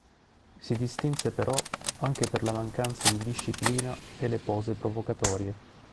Si distinse però anche per la mancanza di disciplina e le pose provocatorie.